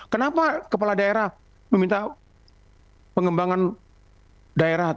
kenapa kepala daerah meminta pengembangan daerah